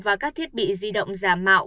và các thiết bị di động giả mạo